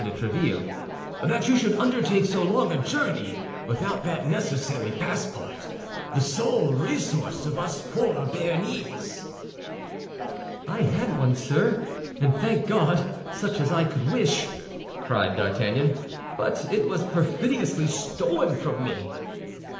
de Tréville, "that you should undertake so long a journey without that necessary passport, the sole resource of us poor Béarnese." "I had one, sir, and, thank God, such as I could wish," cried D'Artagnan; "but it was perfidiously stolen from me."